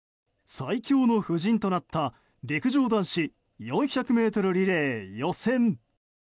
最強の布陣となった陸上男子４００ｍリレー予選。